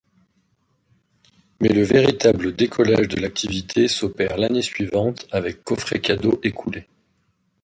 Mais le véritable décollage de l'activité s’opère l’année suivante avec coffrets cadeaux écoulés.